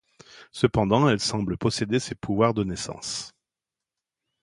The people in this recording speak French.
Cependant elle semble posséder ses pouvoirs de naissance.